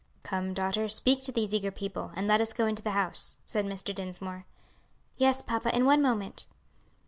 "Come, daughter, speak to these eager people, and let us go into the house," said Mr. Dinsmore. "Yes, papa, in one moment."